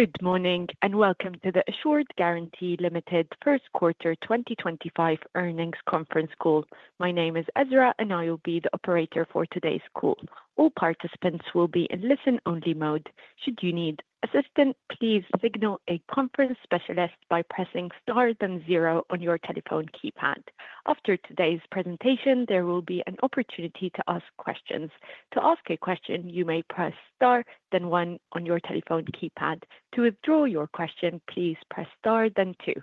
Good morning and welcome to the Assured Guaranty Limited First Quarter 2025 earnings conference call. My name is Ezra, and I will be the operator for today's call. All participants will be in listen-only mode. Should you need assistance, please signal a conference specialist by pressing star then zero on your telephone keypad. After today's presentation, there will be an opportunity to ask questions. To ask a question, you may press star then one on your telephone keypad. To withdraw your question, please press star then two.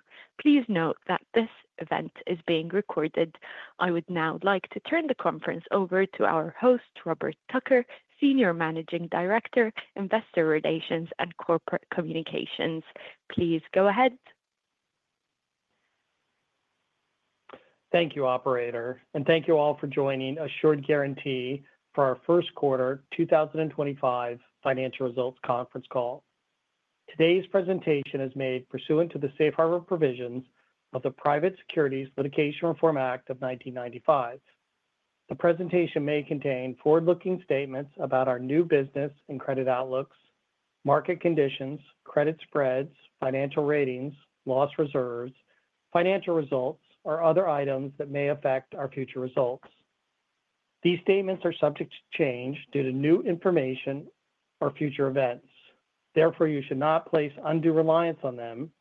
Please note that this event is being recorded. I would now like to turn the conference over to our host, Robert Tucker, Senior Managing Director, Investor Relations and Corporate Communications. Please go ahead. Thank you, Operator, and thank you all for joining Assured Guaranty for our First Quarter 2025 financial results conference call. Today's presentation is made pursuant to the safe harbor provisions of the Private Securities Litigation Reform Act of 1995. The presentation may contain forward-looking statements about our new business and credit outlooks, market conditions, credit spreads, financial ratings, loss reserves, financial results, or other items that may affect our future results. These statements are subject to change due to new information or future events. Therefore, you should not place undue reliance on them,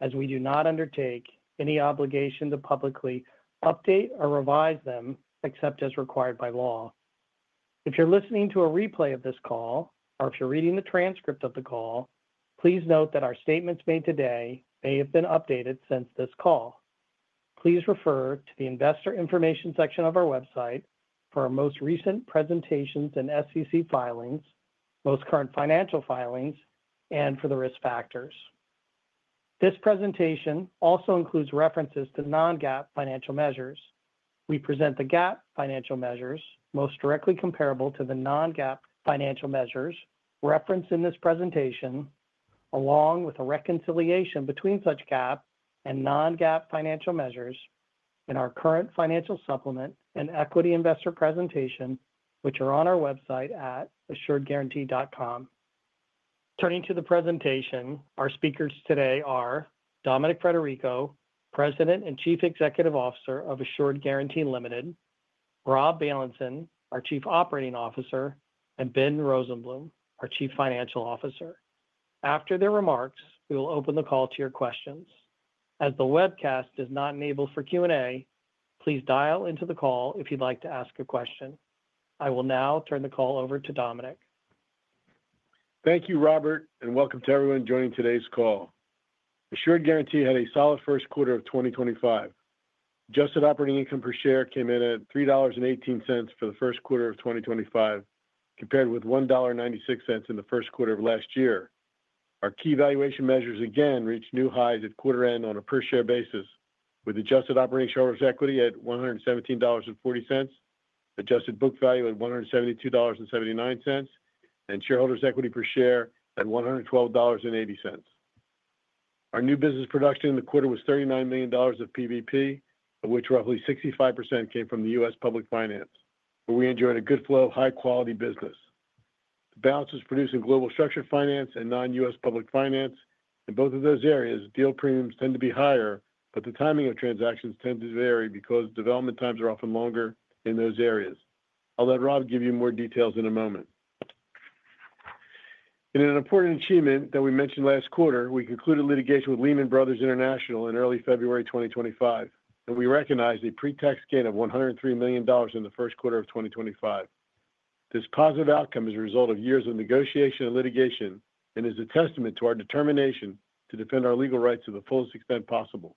as we do not undertake any obligation to publicly update or revise them except as required by law. If you're listening to a replay of this call, or if you're reading the transcript of the call, please note that our statements made today may have been updated since this call. Please refer to the investor information section of our website for our most recent presentations and SEC filings, most current financial filings, and for the risk factors. This presentation also includes references to non-GAAP financial measures. We present the GAAP financial measures most directly comparable to the non-GAAP financial measures referenced in this presentation, along with a reconciliation between such GAAP and non-GAAP financial measures in our current financial supplement and equity investor presentation, which are on our website at assuredguaranty.com. Turning to the presentation, our speakers today are Dominic Frederico, President and Chief Executive Officer of Assured Guaranty Limited, Rob Bailenson, our Chief Operating Officer, and Ben Rosenblum, our Chief Financial Officer. After their remarks, we will open the call to your questions. As the webcast is not enabled for Q&A, please dial into the call if you'd like to ask a question. I will now turn the call over to Dominic. Thank you, Robert, and welcome to everyone joining today's call. Assured Guaranty had a solid first quarter of 2025. Adjusted operating income per share came in at $3.18 for the first quarter of 2025, compared with $1.96 in the first quarter of last year. Our key valuation measures again reached new highs at quarter end on a per share basis, with adjusted operating shareholders' equity at $117.40, adjusted book value at $172.79, and shareholders' equity per share at $112.80. Our new business production in the quarter was $39 million of PBP, of which roughly 65% came from the U.S. public finance, where we enjoyed a good flow of high-quality business. The balance was produced in global structured finance and non-U.S. public finance. In both of those areas, deal premiums tend to be higher, but the timing of transactions tends to vary because development times are often longer in those areas. I'll let Rob give you more details in a moment. In an important achievement that we mentioned last quarter, we concluded litigation with Lehman Brothers International (Europe) in early February 2025, and we recognized a pre-tax gain of $103 million in the first quarter of 2025. This positive outcome is a result of years of negotiation and litigation and is a testament to our determination to defend our legal rights to the fullest extent possible.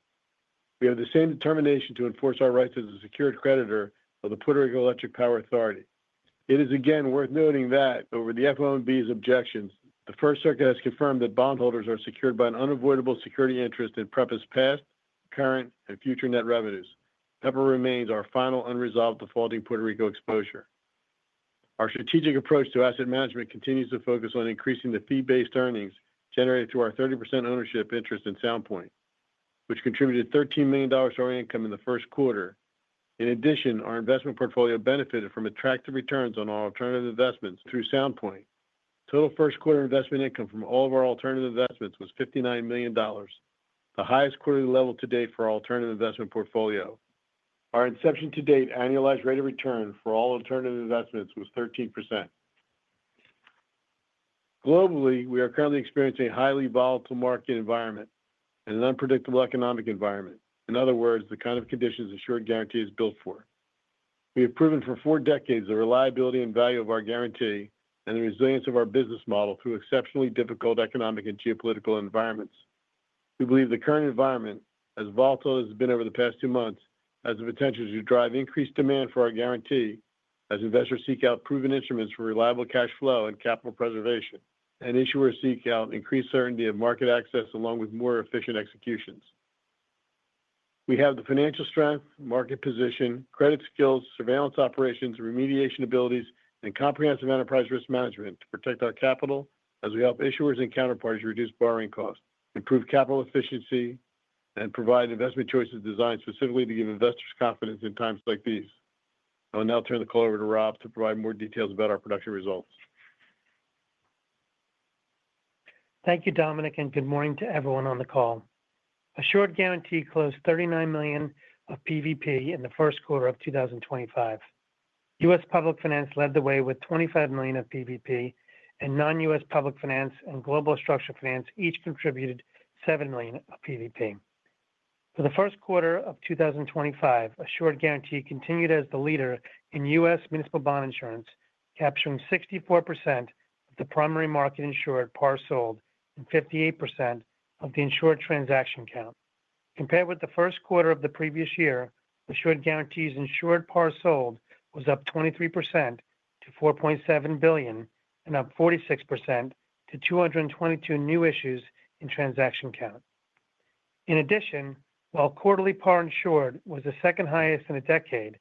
We have the same determination to enforce our rights as a secured creditor of the Puerto Rico Electric Power Authority. It is again worth noting that over the FOMB's objections, the First Circuit has confirmed that bondholders are secured by an unavoidable security interest in PREPA's past, current, and future net revenues. PREPA remains our final unresolved defaulting Puerto Rico exposure. Our strategic approach to asset management continues to focus on increasing the fee-based earnings generated through our 30% ownership interest in Sound Point, which contributed $13 million to our income in the first quarter. In addition, our investment portfolio benefited from attractive returns on our alternative investments through Sound Point. Total first quarter investment income from all of our alternative investments was $59 million, the highest quarterly level to date for our alternative investment portfolio. Our inception-to-date annualized rate of return for all alternative investments was 13%. Globally, we are currently experiencing a highly volatile market environment and an unpredictable economic environment, in other words, the kind of conditions Assured Guaranty is built for. We have proven for four decades the reliability and value of our guarantee and the resilience of our business model through exceptionally difficult economic and geopolitical environments. We believe the current environment, as volatile as it's been over the past two months, has the potential to drive increased demand for our guarantee as investors seek out proven instruments for reliable cash flow and capital preservation, and issuers seek out increased certainty of market access along with more efficient executions. We have the financial strength, market position, credit skills, surveillance operations, remediation abilities, and comprehensive enterprise risk management to protect our capital as we help issuers and counterparties reduce borrowing costs, improve capital efficiency, and provide investment choices designed specifically to give investors confidence in times like these. I will now turn the call over to Rob to provide more details about our production results. Thank you, Dominic, and good morning to everyone on the call. Assured Guaranty closed $39 million of PVP in the first quarter of 2025. U.S. public finance led the way with $25 million of PVP, and non-U.S. public finance and global structured finance each contributed $7 million of PVP. For the first quarter of 2025, Assured Guaranty continued as the leader in U.S. municipal bond insurance, capturing 64% of the primary market insured par sold and 58% of the insured transaction count. Compared with the first quarter of the previous year, Assured Guaranty's insured par sold was up 23% to $4.7 billion and up 46% to 222 new issues in transaction count. In addition, while quarterly par insured was the second highest in a decade,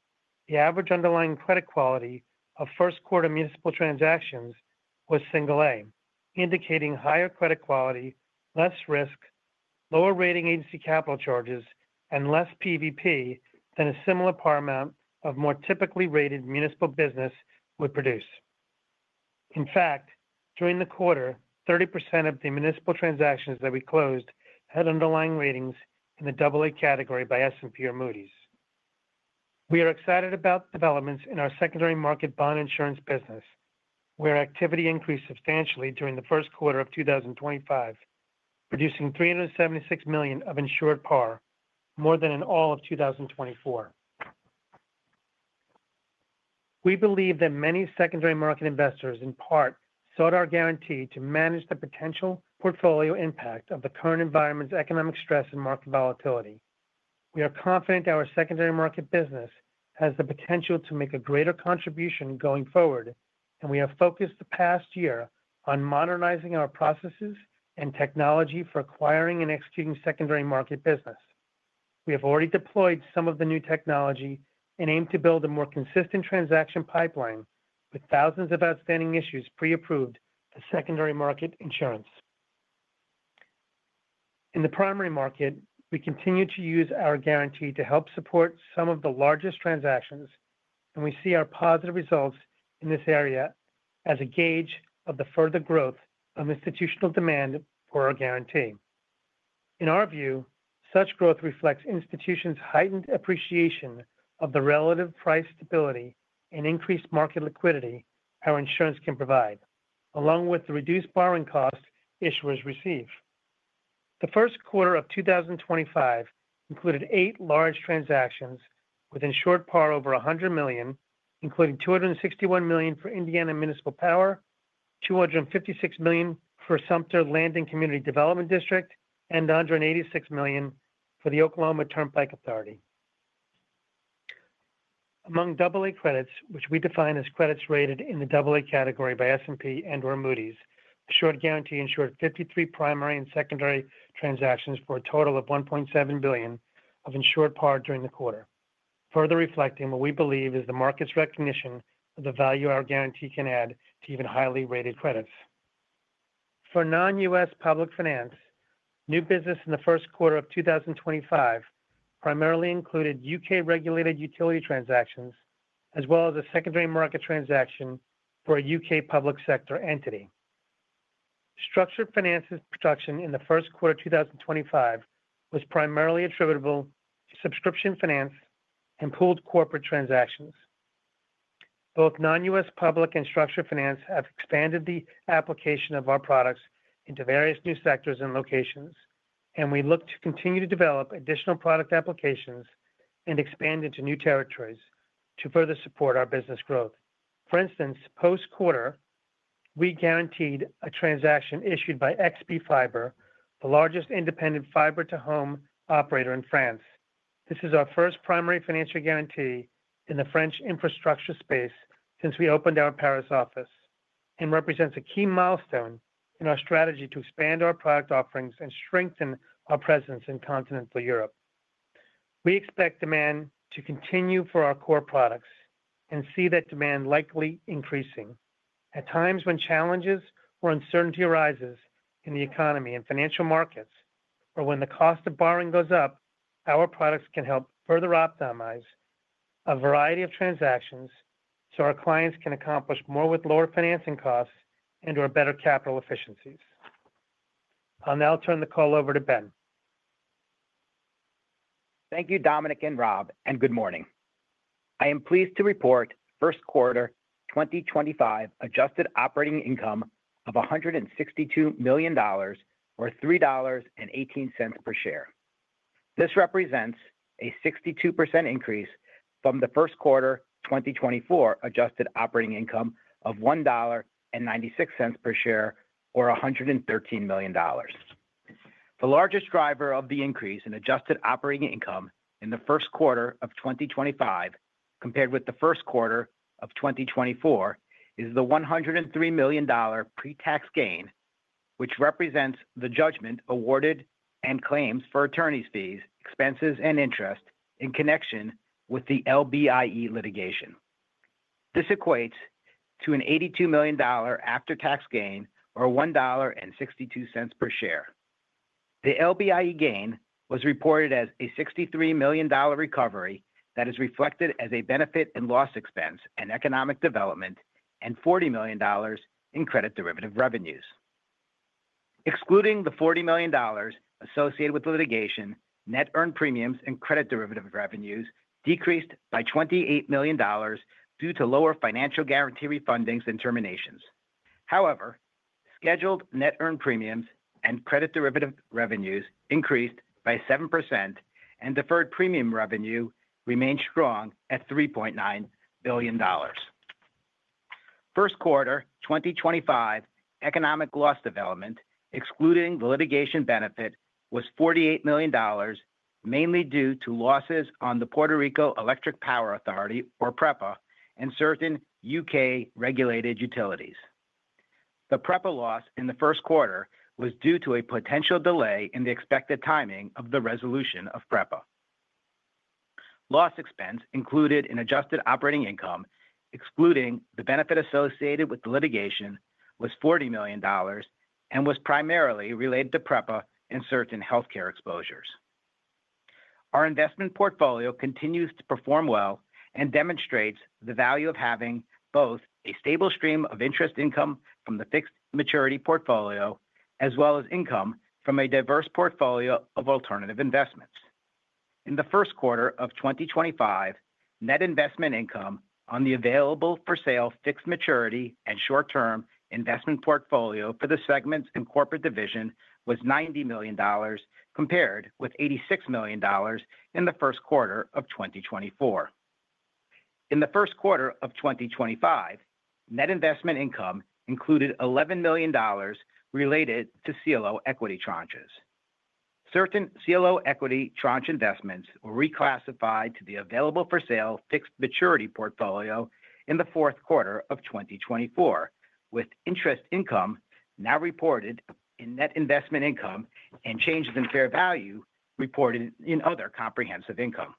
the average underlying credit quality of first quarter municipal transactions was single-A, indicating higher credit quality, less risk, lower rating agency capital charges, and less PVP than a similar par amount of more typically rated municipal business would produce. In fact, during the quarter, 30% of the municipal transactions that we closed had underlying ratings in the double-A category by S&P or Moody's. We are excited about developments in our secondary market bond insurance business, where activity increased substantially during the first quarter of 2025, producing $376 million of insured par, more than in all of 2024. We believe that many secondary market investors in part sought our guarantee to manage the potential portfolio impact of the current environment's economic stress and market volatility. We are confident our secondary market business has the potential to make a greater contribution going forward, and we have focused the past year on modernizing our processes and technology for acquiring and executing secondary market business. We have already deployed some of the new technology and aim to build a more consistent transaction pipeline with thousands of outstanding issues pre-approved to secondary market insurance. In the primary market, we continue to use our guarantee to help support some of the largest transactions, and we see our positive results in this area as a gauge of the further growth of institutional demand for our guarantee. In our view, such growth reflects institutions' heightened appreciation of the relative price stability and increased market liquidity our insurance can provide, along with the reduced borrowing costs issuers receive. The first quarter of 2025 included eight large transactions with insured par over $100 million, including $261 million for Indiana Municipal Power, $256 million for Sumter Landing Community Development District, and $186 million for the Oklahoma Turnpike Authority. Among double-A credits, which we define as credits rated in the double-A category by S&P and/or Moody's, Assured Guaranty insured 53 primary and secondary transactions for a total of $1.7 billion of insured par during the quarter, further reflecting what we believe is the market's recognition of the value our guarantee can add to even highly rated credits. For non-U.S. public finance, new business in the first quarter of 2025 primarily included U.K. regulated utility transactions, as well as a secondary market transaction for a U.K. public sector entity. Structured finance production in the first quarter of 2025 was primarily attributable to subscription finance and pooled corporate transactions. Both non-U.S. Public and structured finance have expanded the application of our products into various new sectors and locations, and we look to continue to develop additional product applications and expand into new territories to further support our business growth. For instance, post-quarter, we guaranteed a transaction issued by XpFibre, the largest independent fiber-to-home operator in France. This is our first primary financial guarantee in the French infrastructure space since we opened our Paris office and represents a key milestone in our strategy to expand our product offerings and strengthen our presence in continental Europe. We expect demand to continue for our core products and see that demand likely increasing. At times when challenges or uncertainty arises in the economy and financial markets, or when the cost of borrowing goes up, our products can help further optimize a variety of transactions so our clients can accomplish more with lower financing costs and/or better capital efficiencies. I'll now turn the call over to Ben. Thank you, Dominic and Rob, and good morning. I am pleased to report first quarter 2025 adjusted operating income of $162 million, or $3.18 per share. This represents a 62% increase from the first quarter 2024 adjusted operating income of $1.96 per share, or $113 million. The largest driver of the increase in adjusted operating income in the first quarter of 2025, compared with the first quarter of 2024, is the $103 million pre-tax gain, which represents the judgment awarded and claims for attorney's fees, expenses, and interest in connection with the LBIE litigation. This equates to an $82 million after-tax gain, or $1.62 per share. The LBIE gain was reported as a $63 million recovery that is reflected as a benefit and loss expense and economic development and $40 million in credit derivative revenues. Excluding the $40 million associated with litigation, net earned premiums and credit derivative revenues decreased by $28 million due to lower financial guarantee refundings and terminations. However, scheduled net earned premiums and credit derivative revenues increased by 7%, and deferred premium revenue remained strong at $3.9 billion. First quarter 2025 economic loss development, excluding the litigation benefit, was $48 million, mainly due to losses on the Puerto Rico Electric Power Authority, or PREPA, and certain U.K. regulated utilities. The PREPA loss in the first quarter was due to a potential delay in the expected timing of the resolution of PREPA. Loss expense included in adjusted operating income, excluding the benefit associated with the litigation, was $40 million and was primarily related to PREPA and certain healthcare exposures. Our investment portfolio continues to perform well and demonstrates the value of having both a stable stream of interest income from the fixed maturity portfolio as well as income from a diverse portfolio of alternative investments. In the first quarter of 2025, net investment income on the available for sale fixed maturity and short-term investment portfolio for the segments and corporate division was $90 million, compared with $86 million in the first quarter of 2024. In the first quarter of 2025, net investment income included $11 million related to CLO equity tranches. Certain CLO equity tranche investments were reclassified to the available for sale fixed maturity portfolio in the fourth quarter of 2024, with interest income now reported in net investment income and changes in fair value reported in other comprehensive income.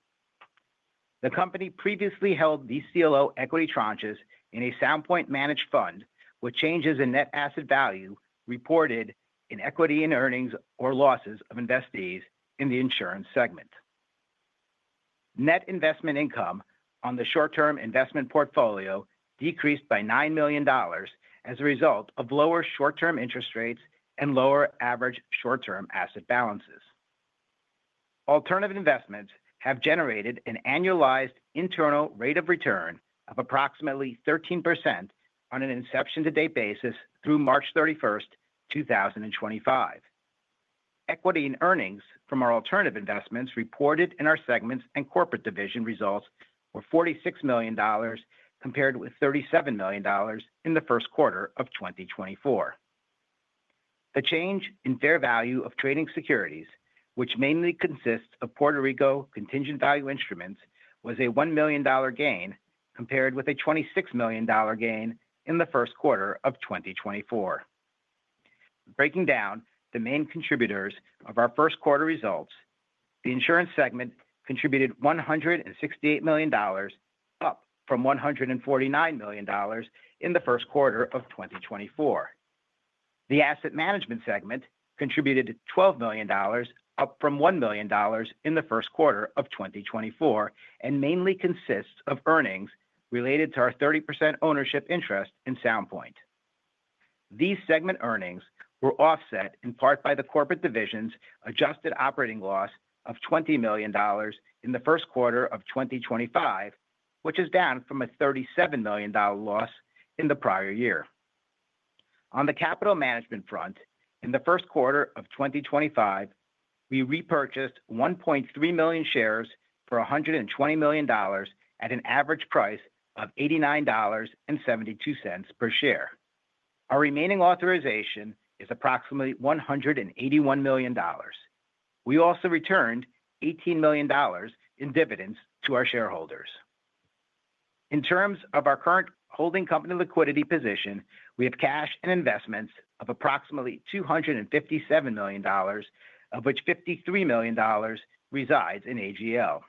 The company previously held these CLO equity tranches in a Sound Point managed fund, with changes in net asset value reported in equity and earnings or losses of investees in the insurance segment. Net investment income on the short-term investment portfolio decreased by $9 million as a result of lower short-term interest rates and lower average short-term asset balances. Alternative investments have generated an annualized internal rate of return of approximately 13% on an inception-to-date basis through March 31st, 2025. Equity and earnings from our alternative investments reported in our segments and corporate division results were $46 million, compared with $37 million in the first quarter of 2024. The change in fair value of trading securities, which mainly consists of Puerto Rico contingent value instruments, was a $1 million gain, compared with a $26 million gain in the first quarter of 2024. Breaking down the main contributors of our first quarter results, the insurance segment contributed $168 million, up from $149 million in the first quarter of 2024. The asset management segment contributed $12 million, up from $1 million in the first quarter of 2024, and mainly consists of earnings related to our 30% ownership interest in Sound Point. These segment earnings were offset in part by the corporate division's adjusted operating loss of $20 million in the first quarter of 2025, which is down from a $37 million loss in the prior year. On the capital management front, in the first quarter of 2025, we repurchased 1.3 million shares for $120 million at an average price of $89.72 per share. Our remaining authorization is approximately $181 million. We also returned $18 million in dividends to our shareholders. In terms of our current holding company liquidity position, we have cash and investments of approximately $257 million, of which $53 million resides in AGL.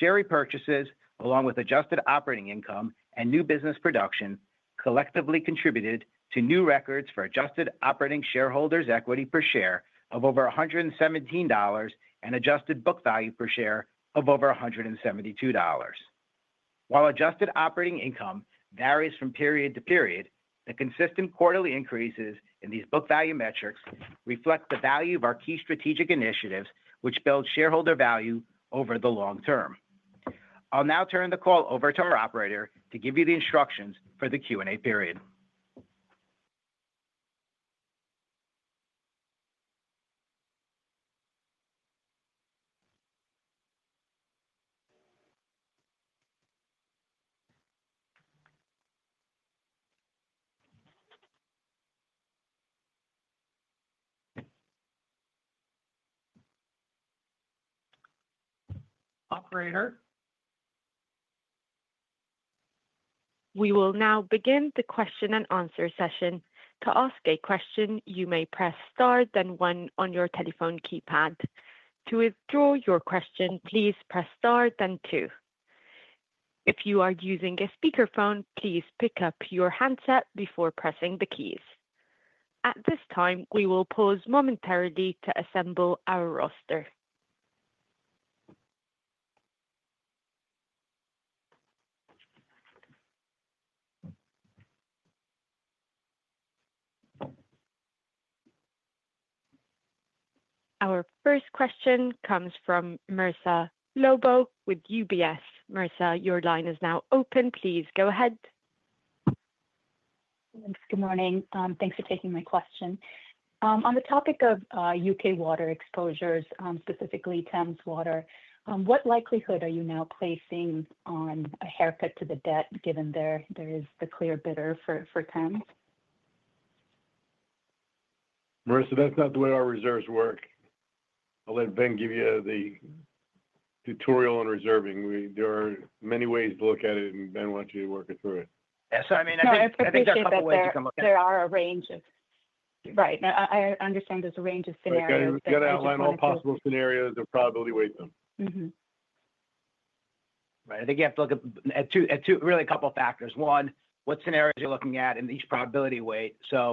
Share repurchases, along with adjusted operating income and new business production, collectively contributed to new records for adjusted operating shareholders' equity per share of over $117 and adjusted book value per share of over $172. While adjusted operating income varies from period to period, the consistent quarterly increases in these book value metrics reflect the value of our key strategic initiatives, which build shareholder value over the long term. I'll now turn the call over to our operator to give you the instructions for the Q&A period. Operator. We will now begin the question and answer session. To ask a question, you may press star, then one on your telephone keypad. To withdraw your question, please press star, then two. If you are using a speakerphone, please pick up your handset before pressing the keys. At this time, we will pause momentarily to assemble our roster. Our first question comes from Marissa Lobo with UBS. Marissa, your line is now open. Please go ahead. Thanks. Good morning. Thanks for taking my question. On the topic of U.K. water exposures, specifically Thames Water, what likelihood are you now placing on a haircut to the debt, given there is the clear bidder for Thames? Marissa, that's not the way our reserves work. I'll let Ben give you the tutorial on reserving. There are many ways to look at it, and Ben wants you to work it through. Yeah. So I mean, I think there are a couple of ways you can look at it. There are a range of—right. I understand there's a range of scenarios. You got to outline all possible scenarios of probability, weight them. Right. I think you have to look at really a couple of factors. One, what scenarios you're looking at in each probability weight. A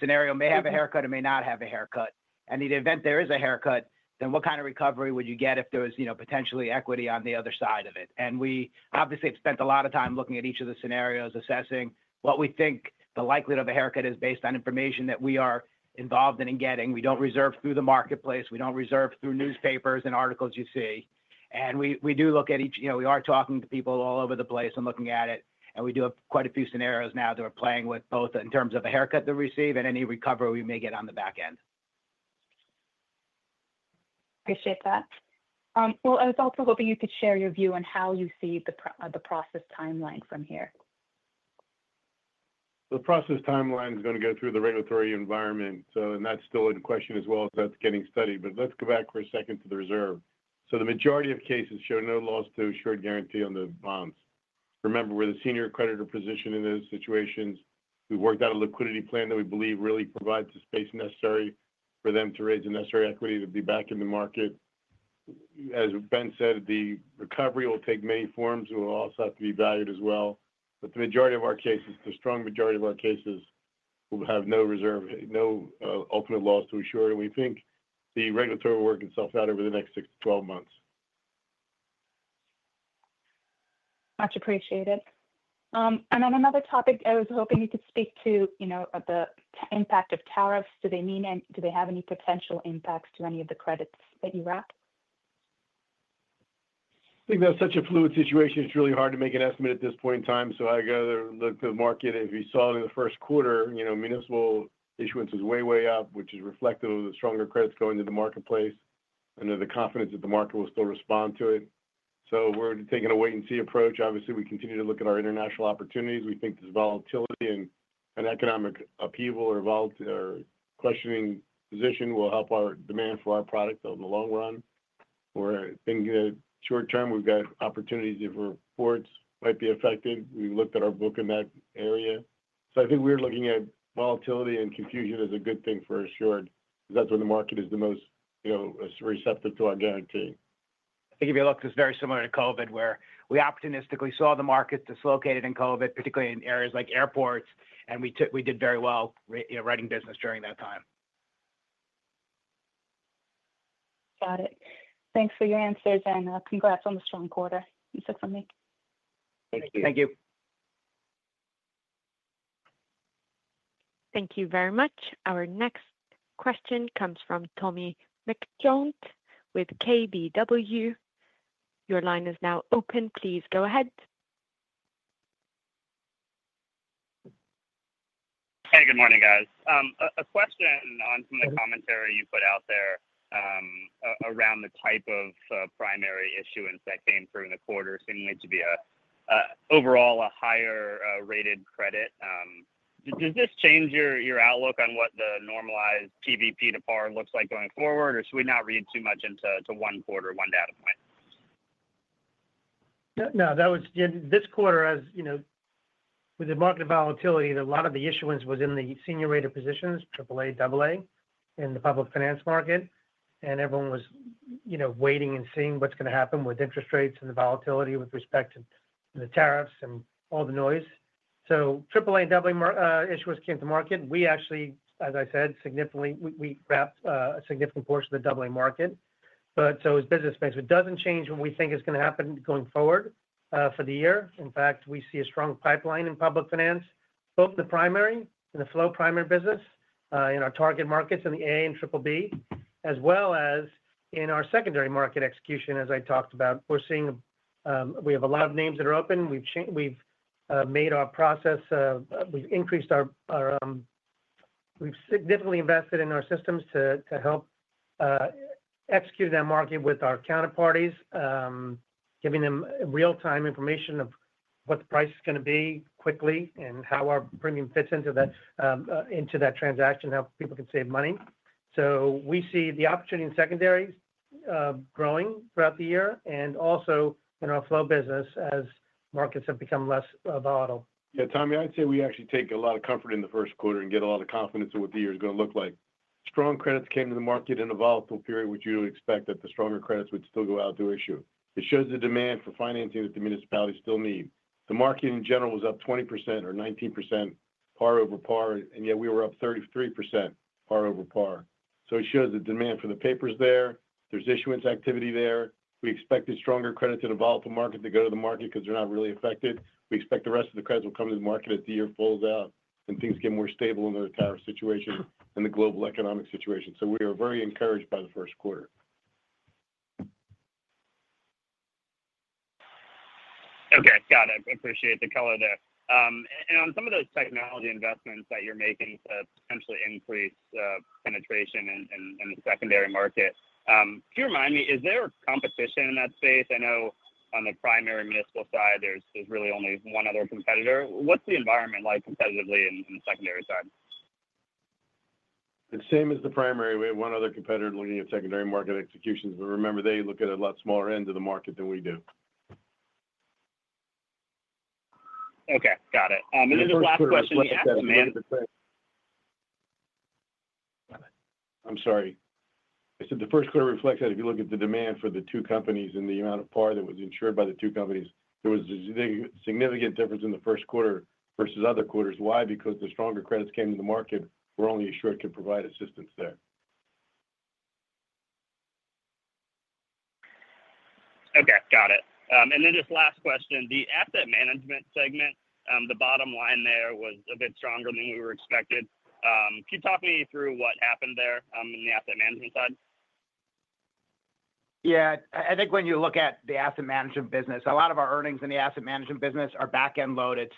scenario may have a haircut or may not have a haircut. In the event there is a haircut, then what kind of recovery would you get if there was potentially equity on the other side of it? We obviously have spent a lot of time looking at each of the scenarios, assessing what we think the likelihood of a haircut is based on information that we are involved in and getting. We don't reserve through the marketplace. We don't reserve through newspapers and articles you see. We do look at each—we are talking to people all over the place and looking at it. We do have quite a few scenarios now that we're playing with both in terms of a haircut that we receive and any recovery we may get on the back end. Appreciate that. I was also hoping you could share your view on how you see the process timeline from here. The process timeline is going to go through the regulatory environment. That's still in question as well as that's getting studied. Let's go back for a second to the reserve. The majority of cases show no loss to Assured Guaranty on the bonds. Remember, we're the senior creditor position in those situations. We've worked out a liquidity plan that we believe really provides the space necessary for them to raise the necessary equity to be back in the market. As Ben said, the recovery will take many forms. It will also have to be valued as well. The majority of our cases, the strong majority of our cases, will have no reserve, no ultimate loss to Assured. We think the regulatory work itself out over the next 6-12 months. Much appreciated. On another topic, I was hoping you could speak to the impact of tariffs. Do they mean—do they have any potential impacts to any of the credits that you wrap? I think that's such a fluid situation. It's really hard to make an estimate at this point in time. I got to look to the market. If you saw it in the first quarter, municipal issuance was way, way up, which is reflective of the stronger credits going to the marketplace and the confidence that the market will still respond to it. We're taking a wait-and-see approach. Obviously, we continue to look at our international opportunities. We think this volatility and economic upheaval or questioning position will help our demand for our product in the long run. We're thinking that short-term, we've got opportunities if reports might be affected. We looked at our book in that area. I think we're looking at volatility and confusion as a good thing for Assured because that's when the market is the most receptive to our guarantee. I think if you look, it's very similar to COVID, where we optimistically saw the market dislocated in COVID, particularly in areas like airports, and we did very well running business during that time. Got it. Thanks for your answers, and congrats on the strong quarter. That's it from me. Thank you. Thank you. Thank you very much. Our next question comes from Tommy McJoynt with KBW. Your line is now open. Please go ahead. Hey, good morning, guys. A question on some of the commentary you put out there around the type of primary issuance that came through in the quarter seemingly to be overall a higher-rated credit. Does this change your outlook on what the normalized PVP to par looks like going forward, or should we not read too much into one quarter, one data point? No, that was this quarter, with the market volatility, a lot of the issuance was in the senior rated positions, AAA, AA, in the public finance market. Everyone was waiting and seeing what's going to happen with interest rates and the volatility with respect to the tariffs and all the noise. AAA and AA issuance came to market. We actually, as I said, significantly wrapped a significant portion of the AA market. It is business as usual. It does not change what we think is going to happen going forward for the year. In fact, we see a strong pipeline in public finance, both in the primary and the flow primary business, in our target markets in the A and BBB, as well as in our secondary market execution, as I talked about. We have a lot of names that are open. have made our process—we have increased our—we have significantly invested in our systems to help execute that market with our counterparties, giving them real-time information of what the price is going to be quickly and how our premium fits into that transaction, how people can save money. We see the opportunity in secondaries growing throughout the year and also in our flow business as markets have become less volatile. Yeah. Tommy, I'd say we actually take a lot of comfort in the first quarter and get a lot of confidence in what the year is going to look like. Strong credits came to the market in a volatile period, which you would expect that the stronger credits would still go out to issue. It shows the demand for financing that the municipalities still need. The market in general was up 20% or 19% par over par, and yet we were up 33% par over par. It shows the demand for the paper is there. There's issuance activity there. We expected stronger credit to the volatile market to go to the market because they're not really affected. We expect the rest of the credits will come to the market as the year falls out and things get more stable in the tariff situation and the global economic situation. We are very encouraged by the first quarter. Okay. Got it. Appreciate the color there. On some of those technology investments that you're making to potentially increase penetration in the secondary market, could you remind me, is there competition in that space? I know on the primary municipal side, there's really only one other competitor. What's the environment like competitively in the secondary side? The same as the primary. We have one other competitor looking at secondary market executions. Remember, they look at a lot smaller end of the market than we do. Okay. Got it. And then this last question. The first quarter reflects that demand. I'm sorry. I said the first quarter reflects that if you look at the demand for the two companies and the amount of par that was insured by the two companies, there was a significant difference in the first quarter versus other quarters. Why? Because the stronger credits came to the market, where only Assured could provide assistance there. Okay. Got it. This last question, the asset management segment, the bottom line there was a bit stronger than we were expected. Can you talk me through what happened there in the asset management side? Yeah. I think when you look at the asset management business, a lot of our earnings in the asset management business are back-end loaded.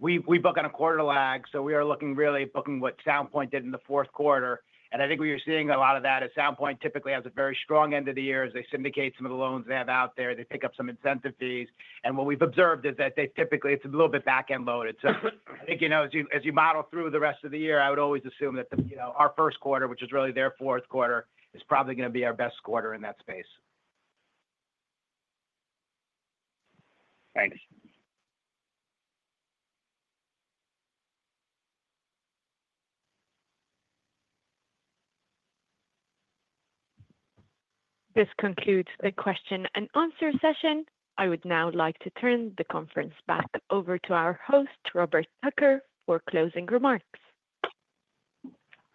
We book on a quarter lag. We are looking really at booking what Sound Point did in the fourth quarter. I think we are seeing a lot of that as Sound Point typically has a very strong end of the year. They syndicate some of the loans they have out there. They pick up some incentive fees. What we've observed is that they typically—it's a little bit back-end loaded. I think as you model through the rest of the year, I would always assume that our first quarter, which is really their fourth quarter, is probably going to be our best quarter in that space. Thanks. This concludes the question and answer session. I would now like to turn the conference back over to our host, Robert Tucker, for closing remarks.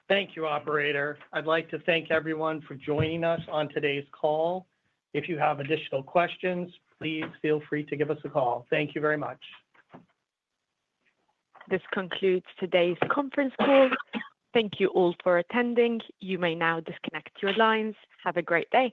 Thank you, Operator. I'd like to thank everyone for joining us on today's call. If you have additional questions, please feel free to give us a call. Thank you very much. This concludes today's conference call. Thank you all for attending. You may now disconnect your lines. Have a great day.